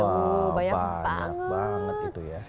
wah banyak banget itu ya